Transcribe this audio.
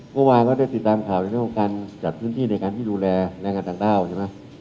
เมื่อวานก็ได้ติดตามข่าวในเรื่องของการจัดพื้นที่ในการที่ดูแลแรงงานต่างด้าวใช่ไหม